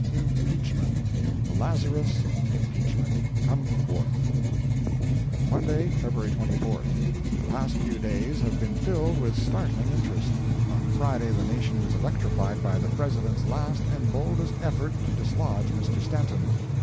IMPEACHMENT LAZARUS IMPEACHMENT, COME FORTH! Monday, Feb. 24. The past few days have been filled with startling interest. On Friday the nation was electrified by the President's last and boldest effort to dislodge Mr. Stanton.